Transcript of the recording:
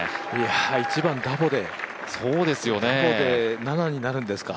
１番、ダボで７になるんですか。